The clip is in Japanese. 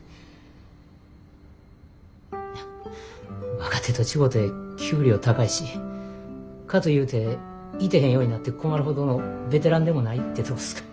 若手と違て給料高いしかというていてへんようになって困るほどのベテランでもないてとこですか。